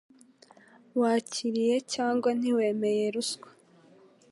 Wakiriye cyangwa ntiwemeye ruswa